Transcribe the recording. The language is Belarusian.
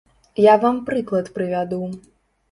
Я вам прыклад прывяду.